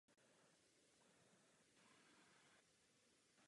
Teprve budoucnost ukáže, do jaké míry tomu tak skutečně bude.